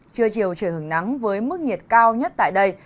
trưa chiều trời hưởng nắng với mức nhiệt cao nhất tại đây